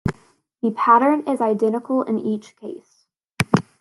The pattern is identical in each case.